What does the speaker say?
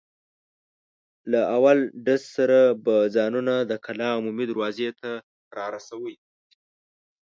له اول ډز سره به ځانونه د کلا عمومي دروازې ته را رسوئ.